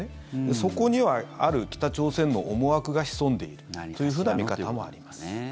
そこには、ある北朝鮮の思惑が潜んでいるというふうな見方もあります。